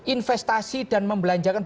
investasi dan membelanjakan